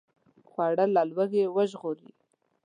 خوړل له لوږې وژغوري